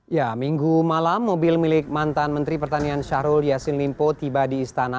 ya minggu malam mobil milik mantan menteri pertanian syahrul yassin limpo tiba di istana